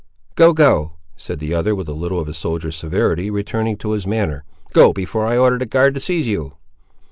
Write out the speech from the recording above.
"Go, go," said the other with a little of a soldier's severity, returning to his manner. "Go, before I order the guard to seize you."